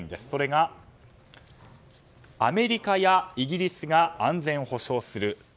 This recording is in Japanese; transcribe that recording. それが、アメリカやイギリスが安全を保障する。